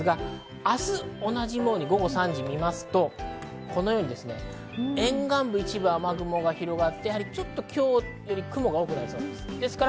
明日同じように午後３時を見るとこのように沿岸部、一部雨雲が広がって今日よりも雲が多くなりそうです。